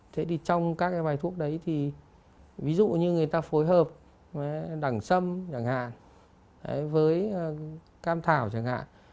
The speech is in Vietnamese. thế thì trong các cái bài thuốc đấy thì ví dụ như người ta phối hợp với đẳng sâm chẳng hạn với cam thảo chẳng hạn